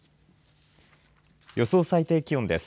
予想最低気温です。